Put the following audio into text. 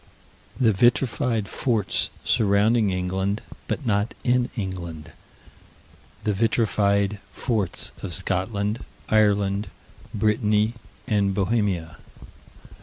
The vitrified forts surrounding England, but not in England. The vitrified forts of Scotland, Ireland, Brittany, and Bohemia.